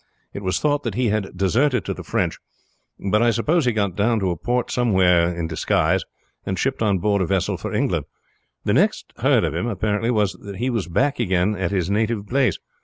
It was thought that he had deserted to the French, but I suppose he got down to a port somewhere in disguise and shipped on board a vessel for England. The next thing heard of him was that he was back again at his native place.